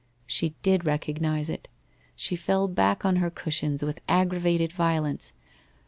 ' She did recognize it. She fell back on her cushions with aggravated violence.